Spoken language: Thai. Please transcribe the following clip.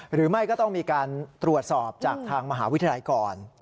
หรือไม่ก็ต้องมีการตรวจสอบจากทางมหาวิทยาลัยก่อน